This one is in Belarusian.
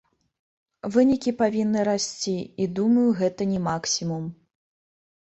Вынікі павінны расці, і, думаю, гэта не максімум.